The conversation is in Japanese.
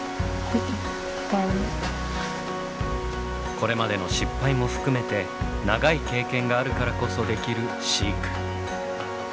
これまでの失敗も含めて長い経験があるからこそできる飼育。